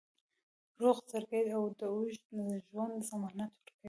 روغ زړګی د اوږد ژوند ضمانت ورکوي.